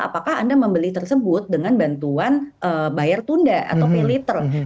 apakah anda membeli tersebut dengan bantuan bayar tunda atau pay letter